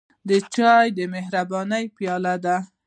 چای د مهربانۍ پیاله ده.